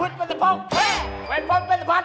หลังผมแปนหวัด